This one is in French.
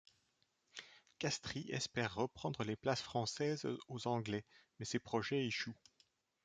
Castries espère reprendre les places françaises aux Anglais, mais ses projets échouent.